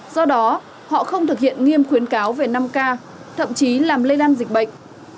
do đó họ không thực hiện nghiêm khuyến cáo về năm k thậm chí làm lây lan dịch bệnh